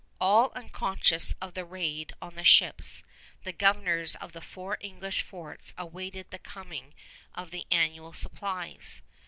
All unconscious of the raid on the ships, the governors of the four English forts awaited the coming of the annual supplies.